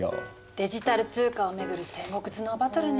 デジタル通貨をめぐる戦国頭脳バトルねえ。